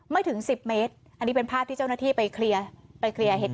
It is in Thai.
ไม่ถึง๑๐เมตรอันนี้เป็นภาพที่เจ้าหน้าที่ไปคลีย์เหตุ